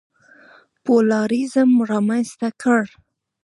پلورالېزم رامنځته کړ.